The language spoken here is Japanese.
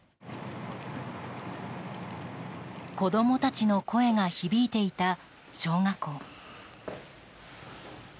子供たちの声が響いていた小学校。